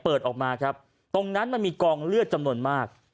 ออกมาครับตรงนั้นมันมีกองเลือดจำนวนมาก